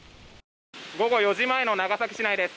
午後４時前の長崎市内です。